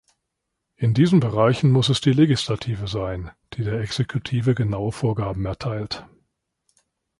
In diesen Bereichen muss es die Legislative sein, die der Exekutive genaue Vorgaben erteilt.